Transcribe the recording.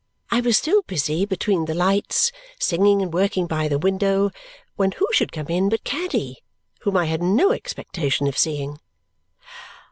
I was still busy between the lights, singing and working by the window, when who should come in but Caddy, whom I had no expectation of seeing!